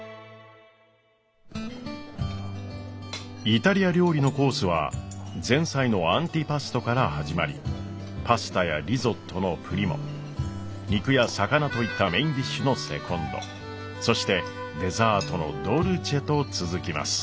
イタリア料理のコースは前菜の「アンティパスト」から始まりパスタやリゾットの「プリモ」肉や魚といったメインディッシュの「セコンド」そしてデザートの「ドルチェ」と続きます。